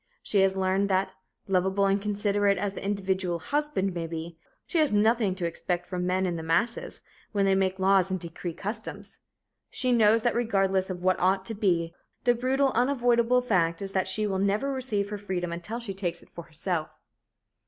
She has learned that, lovable and considerate as the individual husband may be, she has nothing to expect from men in the mass, when they make laws and decree customs. She knows that regardless of what ought to be, the brutal, unavoidable fact is that she will never receive her freedom until she takes it for herself.